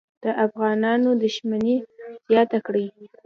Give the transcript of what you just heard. د افغانانو دښمني زیاته کړي.